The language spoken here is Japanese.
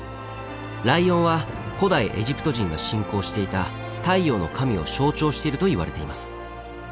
ライオンは古代エジプト人が信仰していた太陽の神を象徴しているといわれています。